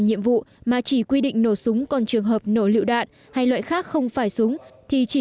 nhiệm vụ mà chỉ quy định nổ súng còn trường hợp nổ lựu đạn hay loại khác không phải súng thì chỉ